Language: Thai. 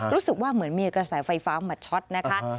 รู้สึกว่าเหมือนมีกระแสไฟฟ้ามาช็อตนะคะ